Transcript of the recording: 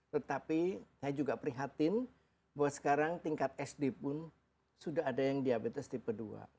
tetapi saya juga prihatin bahwa sekarang tingkat sd pun sudah ada yang diabetes tipe dua